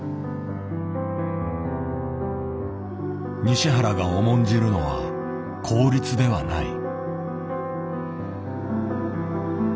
西原が重んじるのは効率ではない。